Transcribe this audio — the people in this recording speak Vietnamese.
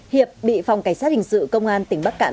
hiệp bị phòng cảnh sát hình sự công an tỉnh bắc cạn